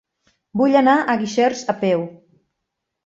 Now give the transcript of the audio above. Vull anar a Guixers a peu.